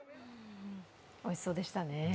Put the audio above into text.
おいしそうでしたね。